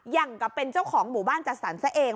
อย่างกับเป็นเจ้าของหมู่บ้านจัดสรรซะเอง